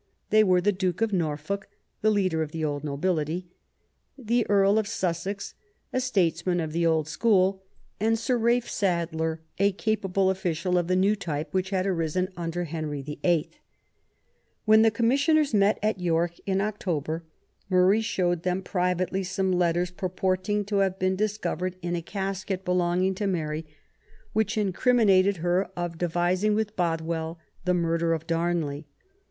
They were the Duke of Norfolk, the leader of the old nobility; the Earl of io6 QUEEN ELIZABETH, Sussex, a statesman of the old school ; and Sir Ralph Sadler, a capable official of the new type which had arisen under Henry VIII. When the Commissioners met at York, in October, Murray showed them privately some letters, purporting to have been dis covered in a casket belonging to Mary, which incrim inated her of devising with Bothwell the murder of Darnley.